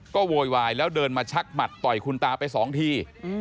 ก็โวยวายแล้วเดินมาชักหมัดต่อยคุณตาไปสองที